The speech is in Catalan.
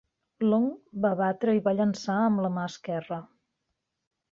Long va batre i va llançar amb la mà esquerra.